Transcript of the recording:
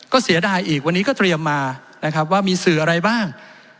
ก็เสียดายอีกวันนี้ทรยมมาว่ามีสื่ออะไรบ้าง